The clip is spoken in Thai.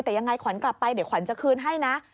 แต่ยังไงขวัญกลับไปเดี๋ยวขวัญจะคืนให้นะ